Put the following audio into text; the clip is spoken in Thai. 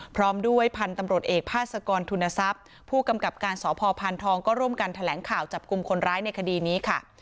พร้อมด้วยพันธุ์ตำรวจเอกพาสกรทุนทรัพย์ผู้กำกับการสพพานทองก็ร่วมกันแถลงข่าวจับกลุ่มคนร้ายในคดีนี้ค่ะ